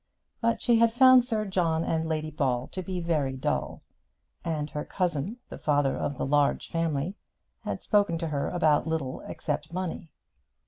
But she had found Sir John and Lady Ball to be very dull, and her cousin, the father of the large family, had spoken to her about little except money.